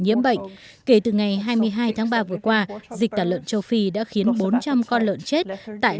nhiễm bệnh kể từ ngày hai mươi hai tháng ba vừa qua dịch tả lợn châu phi đã khiến bốn trăm linh con lợn chết tại